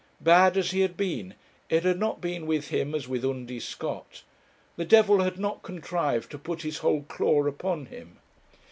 Bad as he had been, it had not been with him as with Undy Scott. The devil had not contrived to put his whole claw upon him.